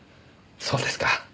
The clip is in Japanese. そうですか。